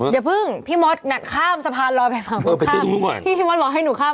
เดี๋ยวพึ่งพี่มดหนัดข้ามสะพานรอยแบบเออไปซื้อลูกหน่อยที่พี่มดบอกให้หนูข้ามไปอ่ะ